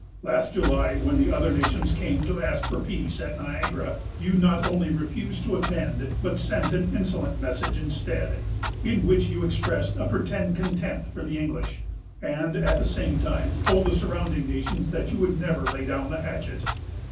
Last July, when the other nations came to ask for peace, at Niagara, you not only refused to attend, but sent an insolent message instead, in which you expressed a pretended contempt for the English; and, at the same time, told the surrounding nations that you would never lay down the hatchet.